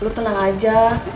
lo tenang aja